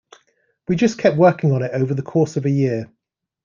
We just kept working on it over the course of a year.